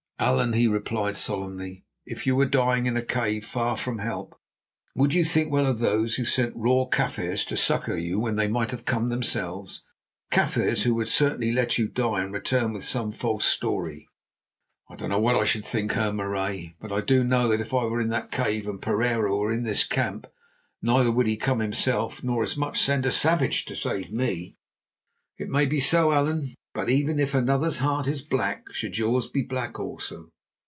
"Allan," he replied solemnly, "if you were dying in a cave far from help, would you think well of those who sent raw Kaffirs to succour you when they might have come themselves, Kaffirs who certainly would let you die and return with some false story?" "I don't know what I should think, Heer Marais. But I do know that if I were in that cave and Pereira were in this camp, neither would he come himself, nor so much as send a savage to save me." "It may be so, Allan. But even if another's heart is black, should yours be black also?